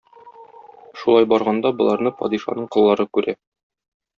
Шулай барганда, боларны падишаның коллары күрә.